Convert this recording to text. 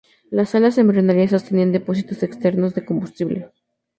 Las alas embrionarias sostenían depósitos externos de combustible.